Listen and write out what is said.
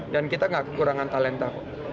dan kita tidak kekurangan talenta